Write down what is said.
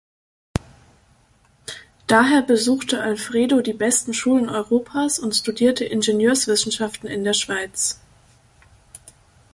Daher besuchte Alfredo die besten Schulen Europas und studierte Ingenieurswissenschaften in der Schweiz.